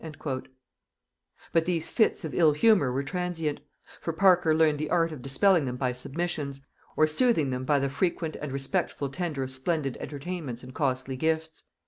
But these fits of ill humor were transient; for Parker learned the art of dispelling them by submissions, or soothing them by the frequent and respectful tender of splendid entertainments and costly gifts.